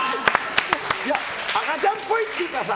赤ちゃんっぽいというかさ